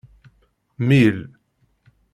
Mil.